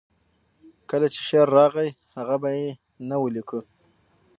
کله چې شعر راغی، هغه به یې نه ولیکه.